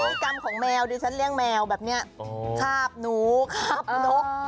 กรรมของแมวดิฉันเลี้ยงแมวแบบนี้คาบหนูคาบนก